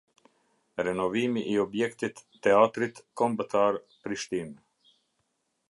Renovimi i objektit teatrit kombëtar -prishtinë